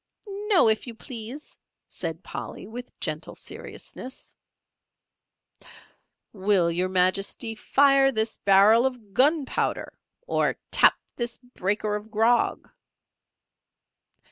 "No, if you please," said Polly, with gentle seriousness. "Will Your Majesty fire this barrel of Gunpowder, or tap this breaker of Grog?"